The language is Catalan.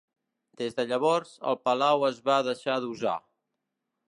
Des de llavors, el palau es va deixar d"usar.